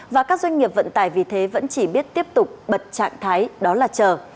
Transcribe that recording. và các doanh nghiệp vận tải vì thế vẫn chỉ biết tiếp tục bật trạng thái đó là chờ